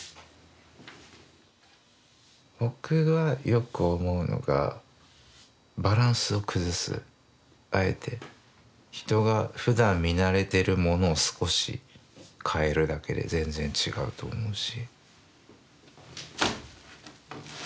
僕がよく思うのが人がふだん見慣れてるものを少し変えるだけで全然違うと思うし。